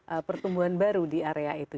ada pertumbuhan baru di area itu